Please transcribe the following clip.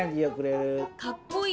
「かっこいい」。